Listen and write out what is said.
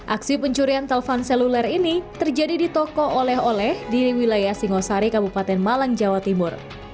aksi pencurian telpon seluler ini terjadi di toko oleh oleh di wilayah singosari kabupaten malang jawa timur